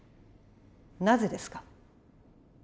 なぜですか？